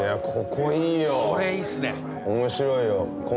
えこれいいっすね